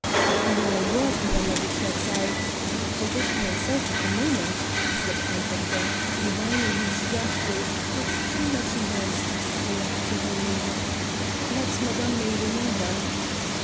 "Upon my word, Madame la Duchesse, I I forget it myself at the moment," said Count Victor, divining her strategy, but too much embarrassed to play up to her lead. "Perhaps madame may remember."